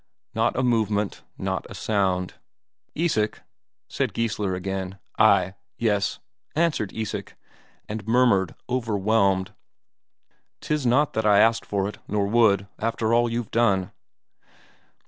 Not a movement, not a sound. "Isak," said Geissler again. "Ay. Yes," answered Isak, and murmured, overwhelmed, "'Tis not that I've asked for it, nor would after all you've done."